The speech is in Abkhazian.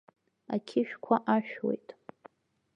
Ақьышәқәа ашәуеит.